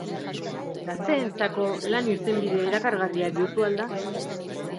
Gazteentzako lan irtenbide erakargarria bihurtu al da?